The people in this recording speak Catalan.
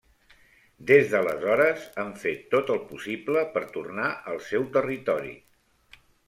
Des d'aleshores han fet tot el possible per tornar al seu territori.